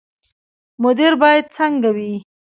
مدیر باید څنګه وي؟